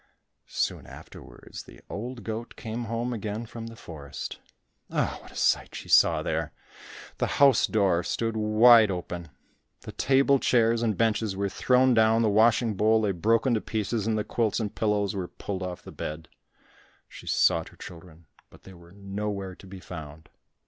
Soon afterwards the old goat came home again from the forest. Ah! What a sight she saw there! The house door stood wide open. The table, chairs, and benches were thrown down, the washing bowl lay broken to pieces, and the quilts and pillows were pulled off the bed. She sought her children, but they were nowhere to be found.